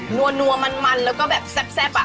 นัวมันแล้วก็แบบแซ่บอ่ะ